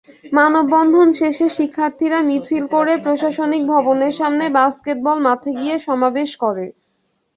মানববন্ধন শেষে শিক্ষার্থীরা মিছিল করে প্রশাসনিক ভবনের সামনে বাস্কেটবল মাঠে গিয়ে সমাবেশ করে।